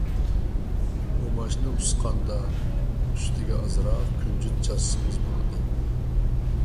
ئۇماچنى ئۇسقاندا، ئۈستىگە ئازراق كۈنجۈت چاچسىڭىز بولىدۇ.